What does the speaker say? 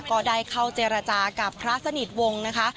ก็ได้เข้าเจรจากับพระสนิทวงศ์นะคะ